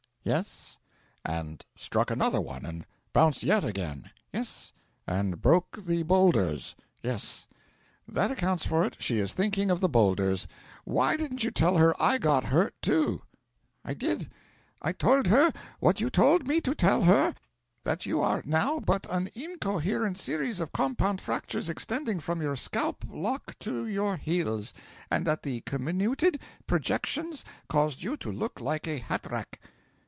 'Yes.' 'And struck another one and bounced yet again?' 'Yes.' 'And broke the boulders?' 'Yes.' 'That accounts for it; she is thinking of the boulders. Why didn't you tell her I got hurt, too?' 'I did. I told her what you told me to tell her: that you were now but an incoherent series of compound fractures extending from your scalp lock to your heels, and that the comminuted projections caused you to look like a hat rack.'